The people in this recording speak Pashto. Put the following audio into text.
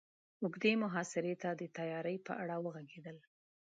اوږدې محاصرې ته د تياري په اړه وغږېدل.